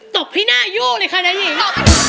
ตกที่หน้ายูเลยค่ะนายิง